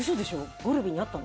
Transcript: ゴルビーに会ったの？